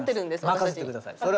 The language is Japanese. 任せてください。